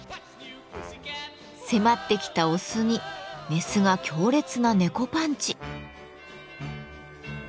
迫ってきたオスにメスが強烈な猫パンチ！